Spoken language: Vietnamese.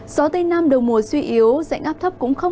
gió tây nam đầu mùa suy yếu dạnh áp thấp cũng không